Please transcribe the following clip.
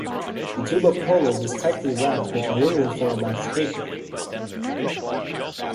The tube of Polos is tightly wrapped with aluminium foil backed paper.